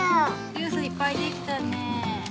ジュースいっぱいできたねえ。